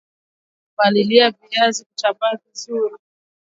Palilia viazi ili kuupa mmea nguvu ya kutambaa vizuri